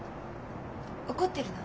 怒ってるの？